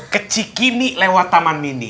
kecik ini lewat taman mini